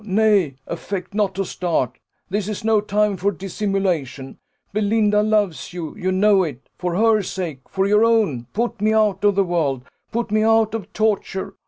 Nay, affect not to start this is no time for dissimulation Belinda loves you you know it: for her sake, for your own, put me out of the world put me out of torture.